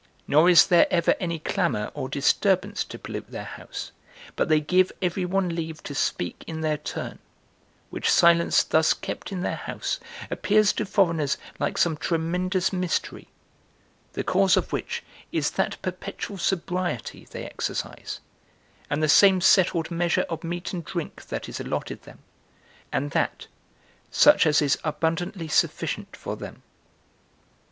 Nor is there ever any clamor or disturbance to pollute their house, but they give every one leave to speak in their turn; which silence thus kept in their house appears to foreigners like some tremendous mystery; the cause of which is that perpetual sobriety they exercise, and the same settled measure of meat and drink that is allotted them, and that such as is abundantly sufficient for them.